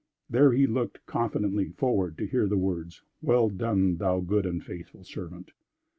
There he looked confidently forward to hear the words: "Well done thou good and faithful servant."